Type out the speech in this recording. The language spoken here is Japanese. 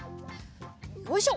よいしょ。